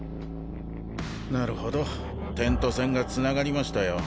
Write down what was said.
なるほど点と線がつながりましたよ